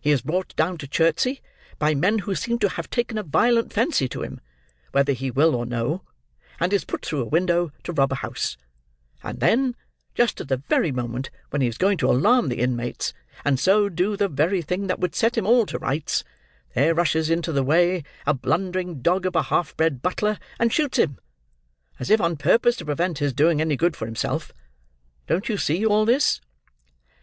He is brought down to Chertsey, by men who seem to have taken a violent fancy to him, whether he will or no; and is put through a window to rob a house; and then, just at the very moment when he is going to alarm the inmates, and so do the very thing that would set him all to rights, there rushes into the way, a blundering dog of a half bred butler, and shoots him! As if on purpose to prevent his doing any good for himself! Don't you see all this?"